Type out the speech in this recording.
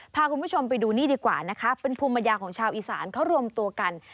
พาคุณผู้ชมไปดูนี่ดีกว่านะคะเป็นภูมิปัญญาของชาวอีสานเขารวมตัวกัน